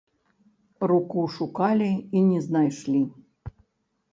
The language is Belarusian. Руку шукалі і не знайшлі.